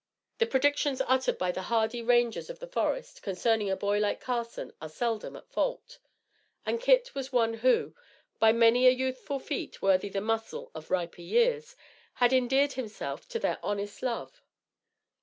The predictions uttered by the hardy rangers of the forest concerning a boy like Carson are seldom at fault; and Kit was one who, by many a youthful feat worthy the muscle of riper years, had endeared himself to their honest love.